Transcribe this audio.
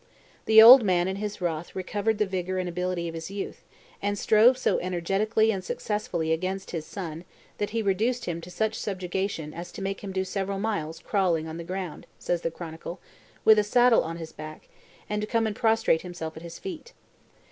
The old man in his wrath recovered the vigor and ability of his youth, and strove so energetically and successfully against his son that he reduced him to such subjection as to make him do several miles "crawling on the ground," says the chronicle, with a saddle on his back, and to come and prostrate himself at his feet.